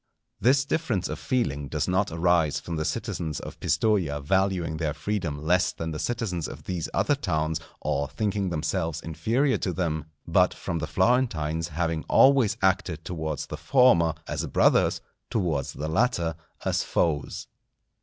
This difference of feeling does not arise from the citizens of Pistoja valuing their freedom less than the citizens of these other towns or thinking themselves inferior to them, but from the Florentines having always acted towards the former as brothers, towards the latter as foes.